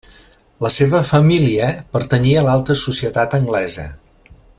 La seva família pertanyia a l'alta societat anglesa.